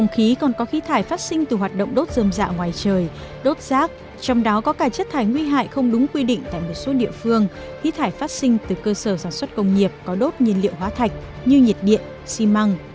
khí thải phát sinh từ cơ sở sản xuất công nghiệp có đốt nhiên liệu hóa thạch như nhiệt điện xi măng